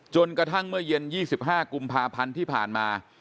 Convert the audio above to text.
จนกระทั่งเมื่อเย็น๒๕กุมภาพันธ์ที่ผ่านมา